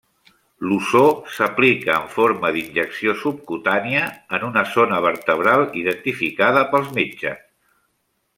L'ozó s'aplica en forma d'injecció subcutània en una zona vertebral identificada pels metges.